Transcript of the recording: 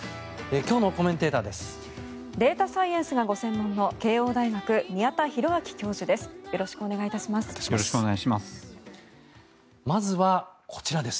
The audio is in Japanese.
今日のコメンテーターです。